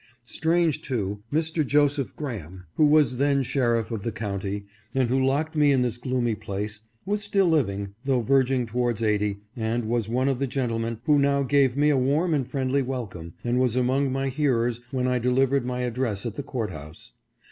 Strange too, Mr. Joseph Graham, who was then sheriff of the County, and who locked me in this gloomy place, was still living, though verging towards eighty, and was EASTON AND ITS ASSOCIATIONS. 539 one of the gentlemen who now gave me a warm and friendly welcome, and was among my hearers when I delivered my address at the Court House.